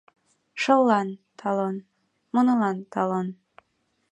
Шыллан — талон, мунылан — талон.